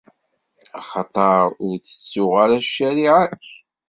Axaṭer ur tettuɣ ara ccariɛa-k!